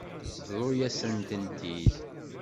Bḍu-yasent-tent-id.